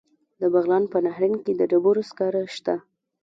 د بغلان په نهرین کې د ډبرو سکاره شته.